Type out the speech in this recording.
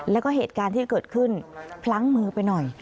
แล้วก็เหตุการณ์ที่เกิดขึ้นพลั้งมือไปหน่อย